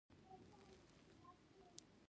دوی دا مالیه په خپل زړه ټاکله.